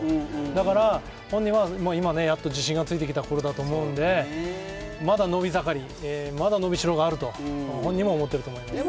だから本人は今やっと自信がついてきたころだと思うのでまだ伸び盛り、まだ伸びしろがあると本人も思っていると思います。